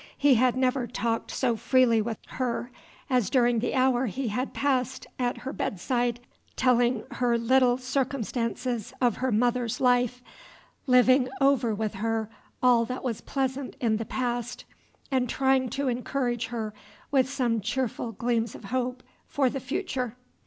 He had never talked so freely with her as during the hour he had passed at her bedside, telling her little circumstances of her mother's life, living over with her all that was pleasant in the past, and trying to encourage her with some cheerful gleams of hope for the future.